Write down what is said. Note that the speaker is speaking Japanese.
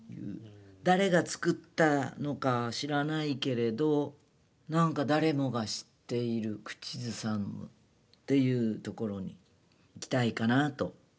誰が作ったのか知らないけれどなんか誰も知っている口ずさむっていうところにいきたいかなと。